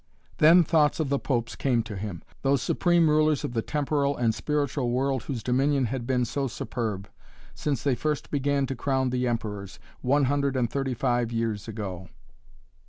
Then thoughts of the popes came to him, those supreme rulers of the temporal and spiritual world whose dominion had been so superb, since they first began to crown the emperors, one hundred and thirty five years ago.